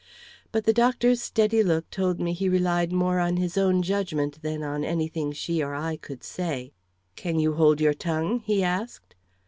But the doctor's steady look told me he relied more on his own judgment than on anything she or I could say. "Can you hold your tongue?" he asked.